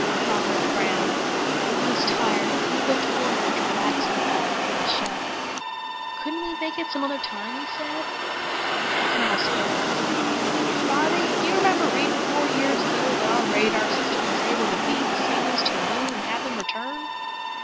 Crawford frowned. He was tired and he'd looked forward to relaxing a while before the show. "Couldn't we make it some other time," he said. The Colonel spoke then. "Robbie, do you remember reading four years ago that our radar system was able to beam signals to the moon and have them returned?"